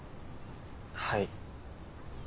はい。